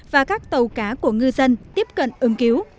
và các tàu cá của ngư dân tiếp cận ứng cứu